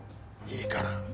いいから。